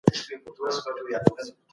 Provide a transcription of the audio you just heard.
تاسي په کورنۍ پام کوئ.